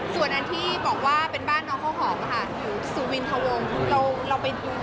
ส่วนอันที่บอกว่าเป็นบ้านน้องข้าวหอมค่ะอยู่สุวินทะวงเราไปดู